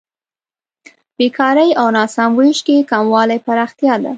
بېکارۍ او ناسم وېش کې کموالی پرمختیا ده.